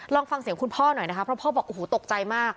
ลองฟังเสียงคุณพ่อหน่อยนะคะเพราะพ่อบอกโอ้โหตกใจมาก